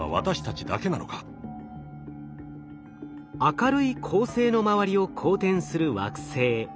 明るい恒星の周りを公転する惑星。